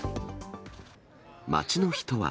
街の人は。